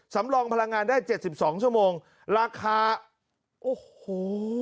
สำรองพลังงานได้เจ็ดสิบสองชั่วโมงราคาโอ้โห